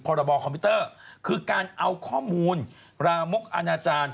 พรบคอมพิวเตอร์คือการเอาข้อมูลรามกอนาจารย์